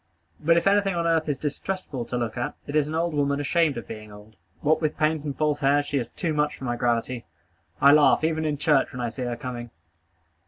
But if anything on earth is distressful to look at, it is an old woman ashamed of being old. What with paint and false hair, she is too much for my gravity. I laugh, even in church, when I see her coming.